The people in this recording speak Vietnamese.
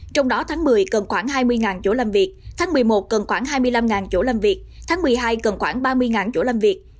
trong đó tháng một mươi cần khoảng hai mươi chỗ làm việc tháng một mươi một cần khoảng hai mươi năm chỗ làm việc tháng một mươi hai cần khoảng ba mươi chỗ làm việc